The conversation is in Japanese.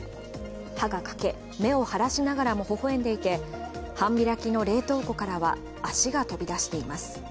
歯が欠け、目を腫らしながらも微笑んでいて、半開きの冷凍庫からは足が飛び出しています。